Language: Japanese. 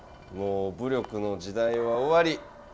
もう武力の時代は終わり！